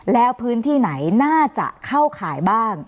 แล้วพื้นที่ไหนน่าจะเข้าข่ายบ้าง